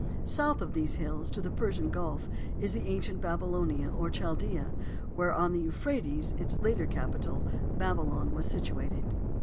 South of these hills to the Persian Gulf, is the ancient Babylonia, or Chaldea, where, on the Euphrates, its later capital, Babylon, was situated.